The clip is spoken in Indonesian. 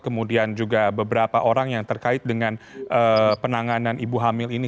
kemudian juga beberapa orang yang terkait dengan penanganan ibu hamil ini